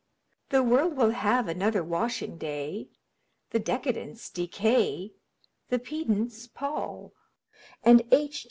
The world will have another washing day; The decadents decay; the pedants pall; And H.